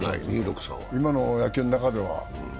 今の野球の中では。